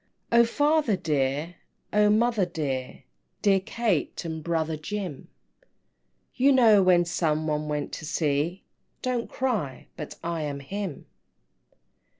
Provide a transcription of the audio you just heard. III. "O father dear, O mother dear, Dear Kate, and brother Jim You know when some one went to sea Don't cry but I am him!"